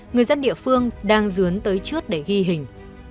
người dân địa phương đang dướng tới trước để ghi hình